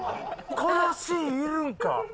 このシーンいるんか？